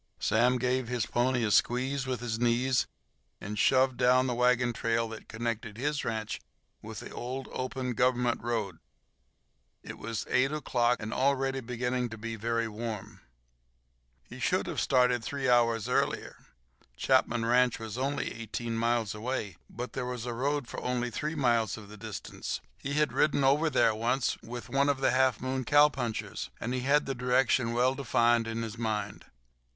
Sam gave his pony a squeeze with his knees and "shoved" down the wagon trail that connected his ranch with the old, open Government road. It was eight o'clock, and already beginning to be very warm. He should have started three hours earlier. Chapman ranch was only eighteen miles away, but there was a road for only three miles of the distance. He had ridden over there once with one of the Half Moon cowpunchers, and he had the direction well defined in his mind.